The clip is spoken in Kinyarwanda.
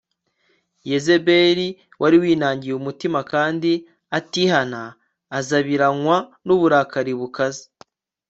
Yezebeli wari winangiye umutima kandi atihana azabiranywa nuburakari bukaze